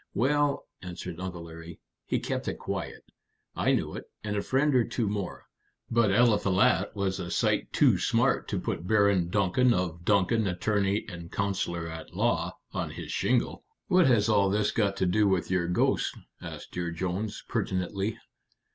"Well," answered Uncle Larry, "he kept it quiet. I knew it, and a friend or two more. But Eliphalet was a sight too smart to put 'Baron Duncan of Duncan, Attorney and Counselor at Law,' on his shingle." "What has all this got to do with your ghost?" asked Dear Jones, pertinently.